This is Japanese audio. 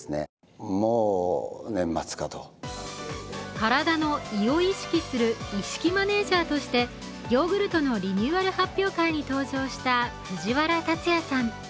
体の胃を意識する胃識マネージャーとしてヨーグルトのリニューアル発表会に登場した藤原竜也さん。